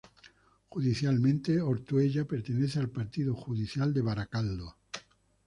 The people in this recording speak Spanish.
Judicialmente, Ortuella pertenece al partido judicial de Baracaldo.